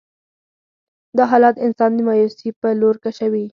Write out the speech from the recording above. دا حالات انسان د مايوسي په لور کشوي.